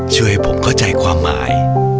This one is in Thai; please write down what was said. ช่วยให้ผมเข้าใจความหมาย